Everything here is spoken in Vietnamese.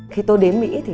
khi tôi đến mỹ tôi mới thấy